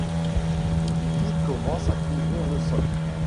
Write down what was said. Le liquide commence à couvrir le sol.